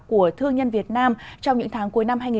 của thương nhân việt nam trong những tháng cuối năm hai nghìn hai mươi